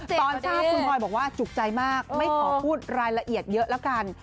ตอนที่คุณพลอยบอกว่าจุกใจมากไม่ขอพูดรายละเอียดเยอะแล้วกัน